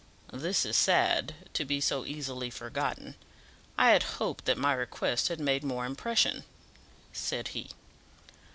"This is sad, to be so easily forgotten. I had hoped that my requests had made more impression," said he.